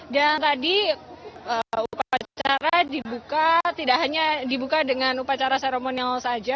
dan tadi upacara dibuka tidak hanya dibuka dengan upacara seremonial saja